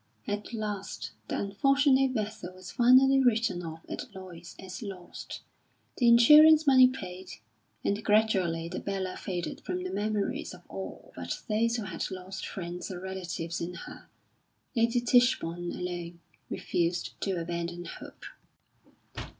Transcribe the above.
At last the unfortunate vessel was finally written off at Lloyd's as lost, the insurance money paid, and gradually the Bella faded from the memories of all but those who had lost friends or relatives in her. Lady Tichborne alone, refused to abandon hope.